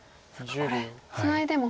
これツナいでも。